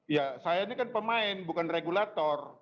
ya saya ini kan pemain bukan regulator